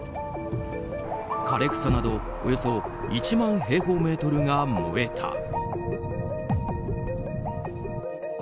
枯れ草などおよそ１万平方メートルが燃えた。